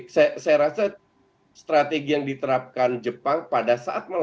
saya rasa strategi yang diterapkan jepang pada saat melawan